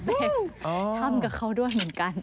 ทำกับเขาด้วยเหมือนกัน